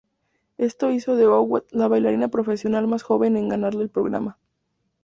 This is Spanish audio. Esto hizo de Hough la bailarina profesional más joven en ganar el programa.